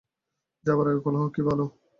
যাবার আগে কলহ কি ভালো?